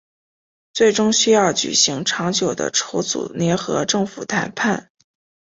最终需要举行长久的筹组联合政府谈判。